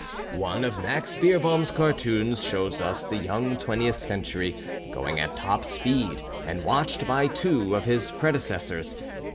One of Max Beerbohm's cartoons shows us the young Twentieth Century going at top speed, and watched by two of his predecessors.